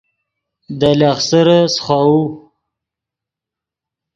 دے لخسرے سیخوؤ